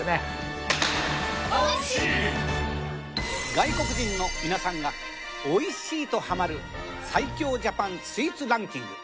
外国人の皆さんがおいしいとハマる最強ジャパンスイーツランキング。